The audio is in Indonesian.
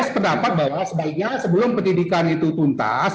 saya pendapat bahwa sebaiknya sebelum pendidikan itu tuntas